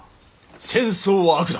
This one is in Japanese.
戦争は悪だ。